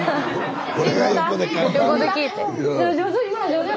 上手？